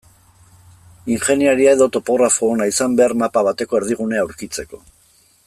Ingeniaria edo topografo ona izan behar mapa bateko erdigunea aurkitzeko.